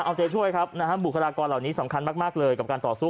เอาใจช่วยครับนะฮะบุคลากรเหล่านี้สำคัญมากเลยกับการต่อสู้